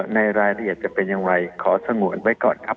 ในรายละเอียดจะเป็นอย่างไรขอสงวนไว้ก่อนครับ